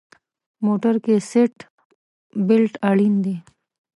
موټر کې سیټ بیلټ اړین دی.